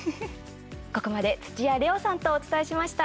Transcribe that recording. ここまで土屋礼央さんとお伝えしました。